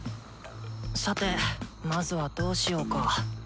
さてまずはどうしようか。